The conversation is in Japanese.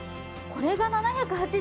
これが７８０円！？